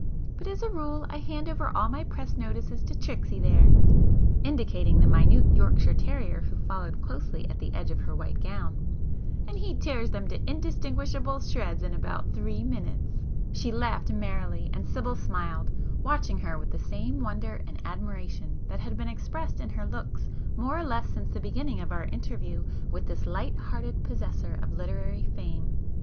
But as a rule I hand over all my press notices to Tricksy there,"—indicating the minute Yorkshire terrier who followed closely at the edge of her white gown,—"and he tears them to indistinguishable shreds in about three minutes!" She laughed merrily, and Sibyl smiled, watching her with the same wonder and admiration that had been expressed in her looks more or less since the beginning of our interview with this light hearted possessor of literary fame.